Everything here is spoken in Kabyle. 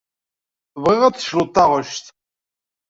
Bɣiɣ ad d-tecnuḍ taɣect.